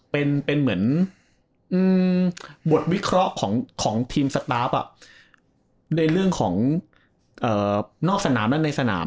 เป็นเหมือนบทวิเคราะห์ของทีมสตาฟในเรื่องของนอกสนามและในสนาม